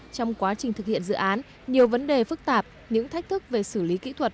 trong quá trình thực hiện dự án nhiều vấn đề phức tạp những thách thức về xử lý kỹ thuật